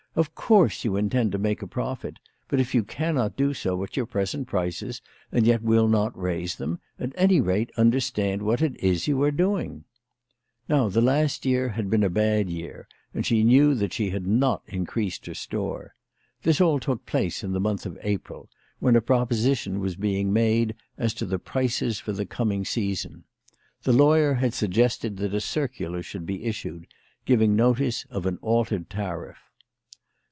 Of course you intend to make a profit ; but if you cannot do so at your present prices, and yet will not raise them, at any rate understand what it is that you are doing/' Now the last year had been a bad year, and she knew that she had not in creased her store. This all took place in the month of April, when a proposition was being made as to the prices for the coming season. The lawyer had suggested that a circular should be issued, giving notice of an altered tariff.